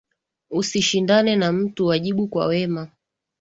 Usishindane na mtu, wajibu kwa wema.